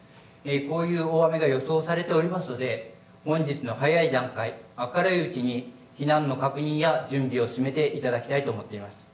このような大雨が予想されていますので本日の早い段階、明るいうちに避難の確認や準備を進めていただきたいと思っています。